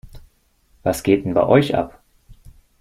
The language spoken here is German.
Was geht denn bei euch ab?